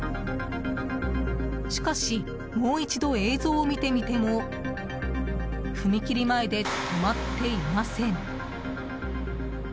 しかし、もう一度映像を見てみても踏切前で止まっていません。